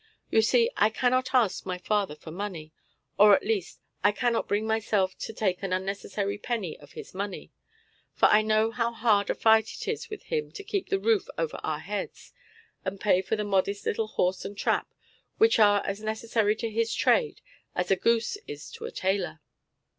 You see I cannot ask my father for money or, at least, I cannot bring myself to take an unnecessary penny of his money for I know how hard a fight it is with him to keep the roof over our heads and pay for the modest little horse and trap which are as necessary to his trade as a goose is to a tailor.